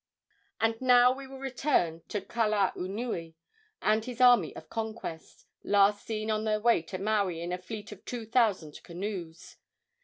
And now we will return to Kalaunui and his army of conquest, last seen on their way to Maui in a fleet of two thousand canoes.